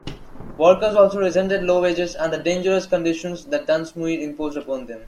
Workers also resented low wages and the dangerous conditions that Dunsmuir imposed upon them.